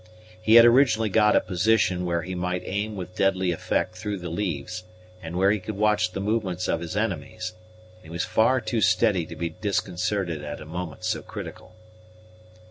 He had originally got a position where he might aim with deadly effect through the leaves, and where he could watch the movements of his enemies; and he was far too steady to be disconcerted at a moment so critical.